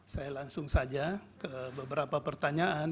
saya langsung saja ke beberapa pertanyaan